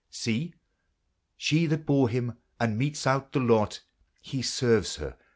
See ! she that bore him, and metes out the lot, He serves her.